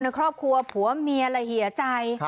ในครอบครัวผัวเมียละเหียใจ